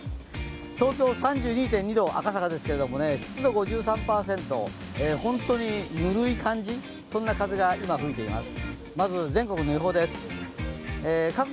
東京、３２．２度、赤坂ですけど、湿度５３％、本当にぬるい感じ、そんな風が今、吹いています。